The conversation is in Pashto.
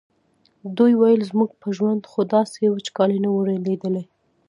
دوی ویل زموږ په ژوند خو داسې وچکالي نه وه لیدلې.